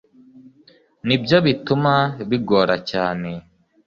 nibyo bituma bigora cyane